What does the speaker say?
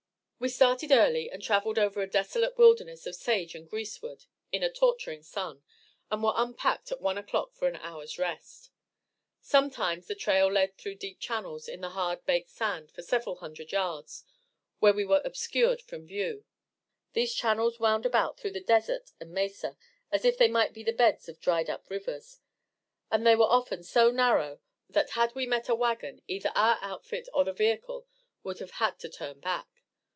We started early and traveled over a desolate wilderness of sage and greasewood in a torturing sun, and were unpacked at one o'clock for an hour's rest. Sometimes the trail led through deep channels in the hard baked sand for several hundred yards, where we were obscured from view. These channels wound about through the desert and mesa, as if they might be the beds of dried up rivers; and they were often so narrow that had we met a wagon either our outfit or the vehicle would have had to turn back.